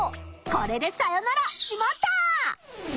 これでさよなら「しまった！」。